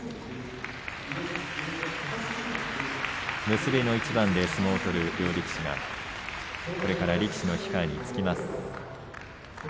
結びの一番で相撲を取る両力士が力士の控えにつきます。